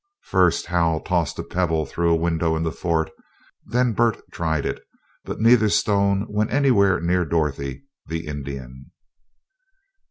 First Hal tossed a pebble through a window in the fort, then Bert tried it, but neither stone went anywhere near Dorothy, the "Indian."